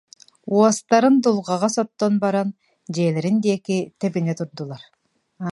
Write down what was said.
Уостарын дулҕаҕа соттон баран, дьиэлэрин диэки тэбинэ турдулар